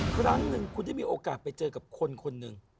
ครั้งหนึ่งคุณได้มีโอกาสไปเจอกับคนคนหนึ่ง